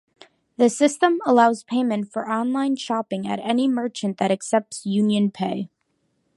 The system allows payment for online shopping at any merchant that accepts UnionPay.